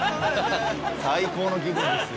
最高の気分ですよ。